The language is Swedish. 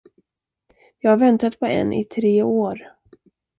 Jag har väntat på en i tre år.